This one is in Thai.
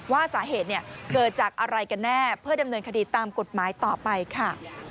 ว่าสาเหตุเกิดจากอะไรกันแน่เพื่อดำเนินคดีตามกฎหมายต่อไปค่ะ